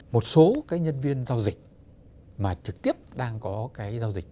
một số cái nhân viên giao dịch mà trực tiếp đang có cái giao dịch